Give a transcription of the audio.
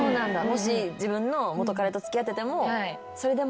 もし自分の元カレと付き合っててもそれでも。